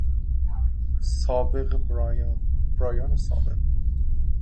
سابق براین